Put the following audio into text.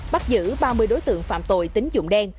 bắt giữ ba mươi đối tượng phạm tội tính dụng đen